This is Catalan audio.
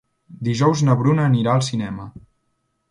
Dijous na Bruna anirà al cinema.